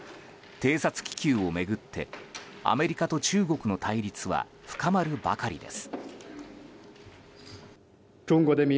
偵察気球を巡って、アメリカと中国の対立は深まるばかりです。